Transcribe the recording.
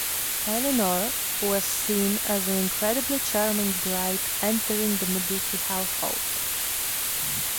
Eleanor was seen as an incredibly charming bride entering the Medici household.